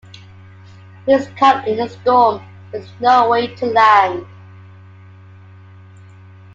He is caught in a storm, with no way to land.